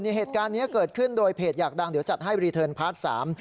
เหตุการณ์เนี้ยเกิดขึ้นโดยเพจอยากดังเดี๋ยวจัดให้รีเทิร์นพาร์ทสาม